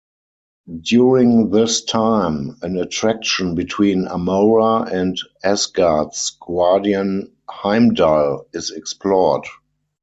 During this time, an attraction between Amora and Asgard's guardian Heimdall is explored.